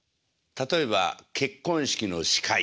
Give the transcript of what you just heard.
例えば結婚式の司会。